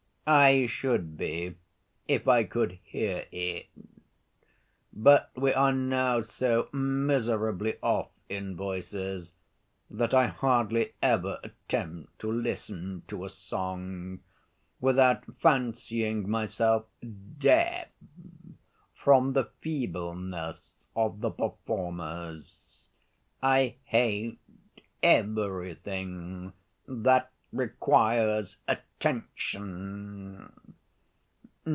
"I should be, if I could hear it; but we are now so miserably off in voices, that I hardly ever attempt to listen to a song, without fancying myself deaf from the feebleness of the performers. I hate everything that requires attention.